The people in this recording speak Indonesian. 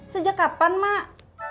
sejak kapan mak